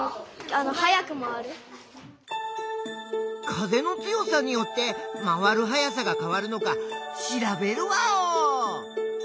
風の強さによって回るはやさがかわるのかしらべるワオー！